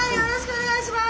お願いします。